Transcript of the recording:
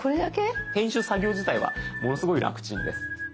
編集作業自体はものすごい楽ちんです。